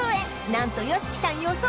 何とＹＯＳＨＩＫＩさん予想